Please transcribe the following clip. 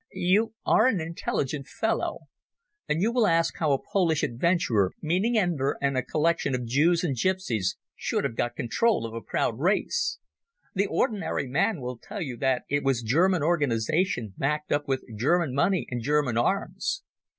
"You are an intelligent fellow, and you will ask how a Polish adventurer, meaning Enver, and a collection of Jews and gipsies should have got control of a proud race. The ordinary man will tell you that it was German organization backed up with German money and German arms.